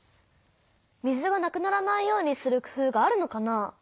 水がなくならないようにするくふうがあるのかな？